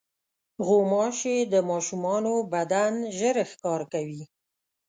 غوماشې د ماشومانو بدن ژر ښکار کوي.